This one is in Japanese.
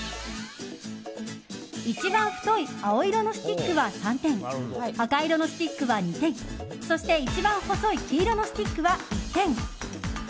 一番太い青色のスティックは３点赤色のスティックは２点そして、一番細い黄色のスティックは１点。